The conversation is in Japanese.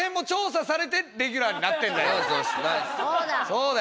そうだ。